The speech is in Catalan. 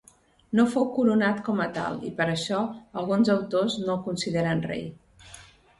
No fou coronat com a tal i per això alguns autors no el consideren rei.